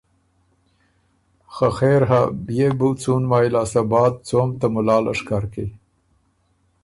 خه خېرهۀ بيې بو څُون مایٛ لاسته بعد څوم ته ملا لشکر کی۔